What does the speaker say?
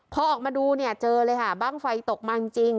พอออกมาดูเนี่ยเจอเลยค่ะบ้างไฟตกมาจริง